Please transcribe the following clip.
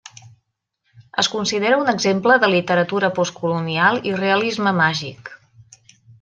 Es considera un exemple de literatura postcolonial i realisme màgic.